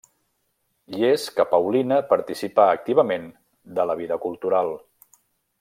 I és que Paulina participà activament de la vida cultural.